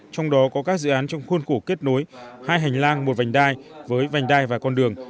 trong đó có các dự án trong khuôn khổ kết nối hai hành lang một vành đai với vành đai và con đường